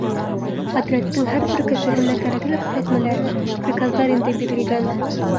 Отрядтың һәр бер кешеһенә кәрәкле күрһәтмәләр, приказдар инде бирелгән.